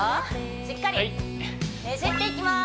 しっかりねじっていきます